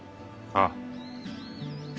ああ。